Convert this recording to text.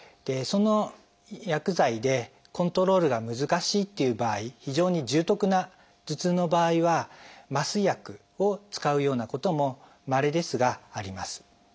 その薬剤でコントロールが難しいっていう場合非常に重篤な頭痛の場合は麻酔薬を使うようなこともまれですがあります。